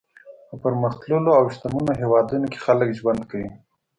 په پرمختللو او شتمنو هېوادونو کې خلک ژوند کوي.